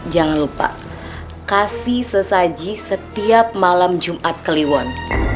jangan lupa kasih sesaji setiap malam jumat kliwon